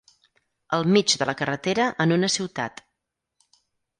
El mig de la carretera en una ciutat